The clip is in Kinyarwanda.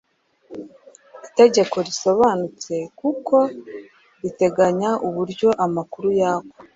Itegeko rirasobanutse kuko riteganya uburyo amakuru yakwa.